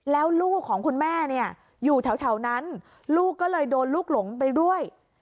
แล้วลูกของคุณแม่เนี่ยอยู่แถวนั้นลูกก็เลยโดนลูกหลงไปด้วย